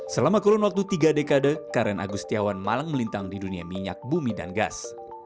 selama kurun waktu tiga dekade karen agustiawan malang melintang di dunia minyak bumi dan gas